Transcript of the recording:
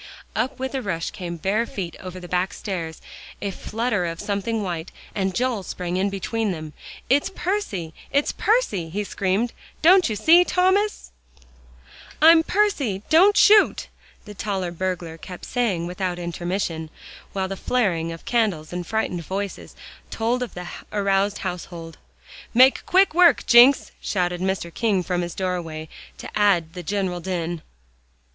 Up with a rush came bare feet over the back stairs; a flutter of something white, and Joel sprang in between them. "It's Percy it's Percy!" he screamed, "don't you see, Thomas?" "I'm Percy don't shoot!" the taller burglar kept saying without intermission, while the flaring of candles and frightened voices, told of the aroused household. "Make quick work, Jencks!" shouted Mr. King from his doorway, to add to the general din.